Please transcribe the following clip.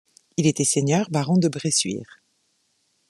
Il était seigneur baron de Bressuire.